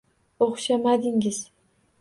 -O’xshamadingiz.